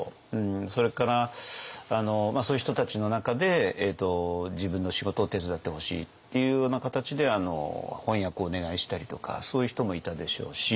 それからそういう人たちの中で自分の仕事を手伝ってほしいっていうような形で翻訳をお願いしたりとかそういう人もいたでしょうし。